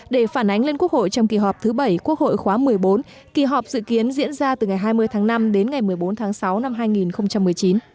để phản ánh lên quốc hội trong kỳ họp thứ bảy quốc hội khóa một mươi bốn kỳ họp dự kiến diễn ra từ ngày hai mươi tháng năm đến ngày một mươi bốn tháng sáu năm hai nghìn một mươi chín